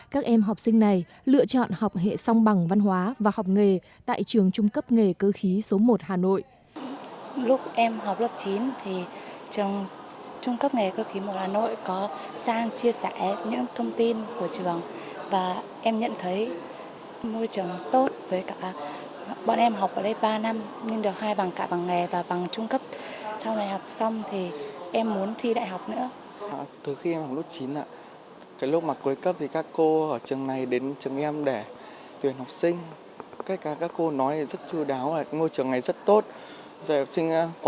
các em học sinh này lựa chọn học hệ song bằng văn hóa và học nghề tại trường trung cấp nghề cơ khí số một hà nội